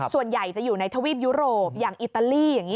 ส่วนใหญ่จะอยู่ในทวีปยุโรปอย่างอิตาลีอย่างนี้